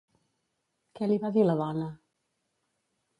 Què li va dir la dona?